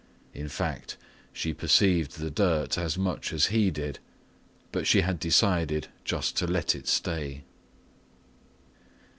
In fact, she perceived the dirt as much as he did, but she had decided just to let it stay.